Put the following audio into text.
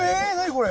これ。